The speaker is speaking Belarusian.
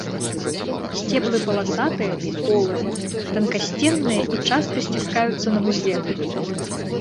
Сцеблы паласатыя, полыя, танкасценныя і часта сціскаюцца на вузле.